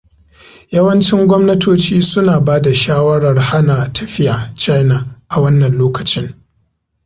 Yawancin gwamnatoci suna ba da shawarar hana tafiya China a wannan lokacin.